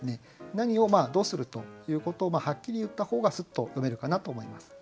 何をどうするということをはっきり言った方がスッと読めるかなと思います。